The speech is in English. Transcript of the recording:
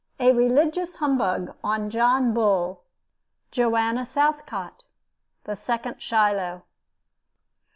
A RELIGIOUS HUMBUG ON JOHN BULL. JOANNA SOUTHCOTT. THE SECOND SHILOH.